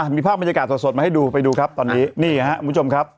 มีภาพบรรยากาศสดมาให้ดูไปดูครับตอนนี้นี่ครับคุณผู้ชมครับ